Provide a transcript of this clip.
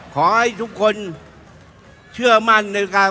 ขอให้ทุกคนเชื่อมั่น